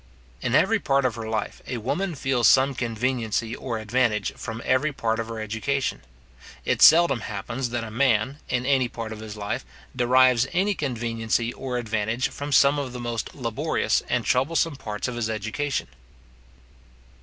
In every part of her life, a woman feels some conveniency or advantage from every part of her education. It seldom happens that a man, in any part of his life, derives any conveniency or advantage from some of the most laborious and troublesome parts of his education.